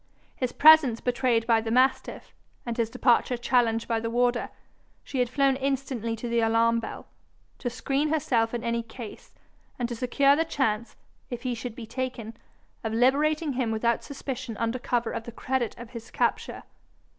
His presence betrayed by the mastiff, and his departure challenged by the warder, she had flown instantly to the alarm bell, to screen herself in any case, and to secure the chance, if he should be taken, of liberating him without suspicion under cover of the credit of his capture.